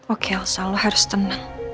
oke elsa lo harus tenang